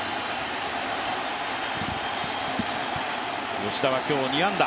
吉田は今日２安打。